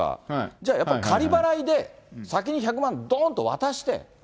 じゃあ、やっぱり仮払いで、先に１００万、どんと渡して。